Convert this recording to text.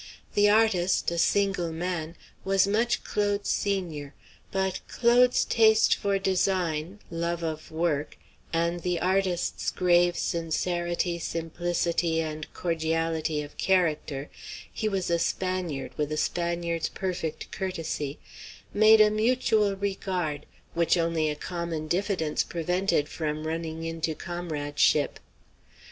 The artist, a single man, was much Claude's senior; but Claude's taste for design, and love of work, and the artist's grave sincerity, simplicity, and cordiality of character he was a Spaniard, with a Spaniard's perfect courtesy made a mutual regard, which only a common diffidence prevented from running into comradeship.